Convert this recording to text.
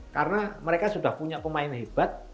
karena mereka sudah punya pemain hebat